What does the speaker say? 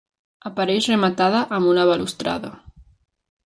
Apareix rematada amb una balustrada.